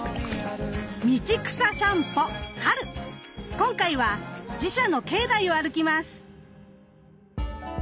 今回は寺社の境内を歩きます。